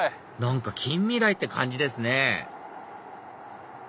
何か近未来って感じですね